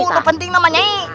itu penting sama nyai